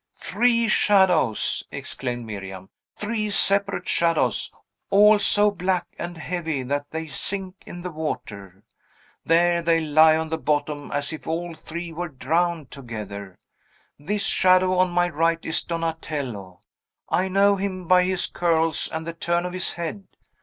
"Three shadows!" exclaimed Miriam "three separate shadows, all so black and heavy that they sink in the water! There they lie on the bottom, as if all three were drowned together. This shadow on my right is Donatello; I know him by his curls, and the turn of his head.